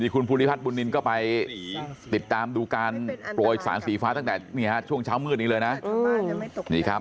คุณภูริพัฒนบุญนินก็ไปติดตามดูการโปรยสารสีฟ้าตั้งแต่ช่วงเช้ามืดนี้เลยนะ